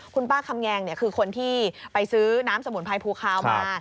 คุณป้าคำแงงคือคนที่ไปซื้อน้ำสมุนไพรภูคาวมา